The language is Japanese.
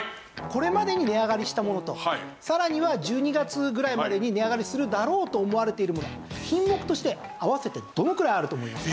これまでに値上がりしたものとさらには１２月ぐらいまでに値上がりするだろうと思われているもの品目として合わせてどのくらいあると思いますか？